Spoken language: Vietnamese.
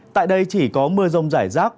tại đây chỉ có mưa rông giải rác